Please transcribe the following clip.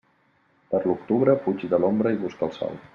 Per l'octubre, fuig de l'ombra i busca el sol.